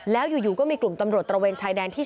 แล้วอยู่ก็มีกลุ่มตำรวจตระเวนชายแดนที่๓